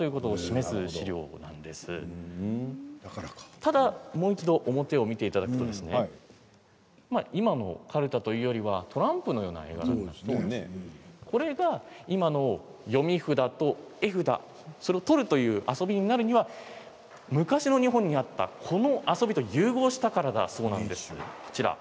ただもう一度、表を見ていただくと今のカルタというよりはトランプのようですね。これが今の読み札と絵札それを取るという遊びになるには昔の日本にあったこの遊びと融合したからだそうです。